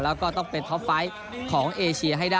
แล้วก็ต้องเป็นท็อปไฟต์ของเอเชียให้ได้